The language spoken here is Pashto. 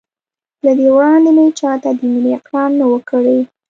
له دې وړاندې مې چا ته د مینې اقرار نه و کړی.